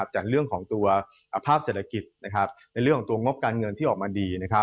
จากเรื่องของตัวภาพเศรษฐกิจในเรื่องของตัวงบการเงินที่ออกมาดี